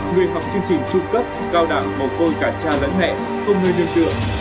người học chương trình trung cấp cao đẳng mồ côi cả cha lẫn mẹ không người đường tượng